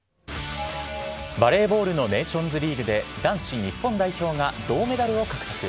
バレーボールのネーションズリーグで、男子日本代表が銅メダルを獲得。